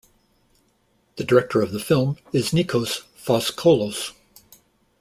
The director of the film is Nikos Foskolos.